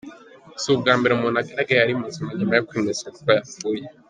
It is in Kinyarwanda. Si ubwa mbere umuntu agaragaye ari muzima nyuma yo kwemezwa ko yapfuye.